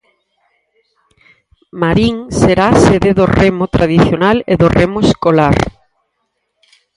Marín será a sede do remo tradicional e do remo escolar.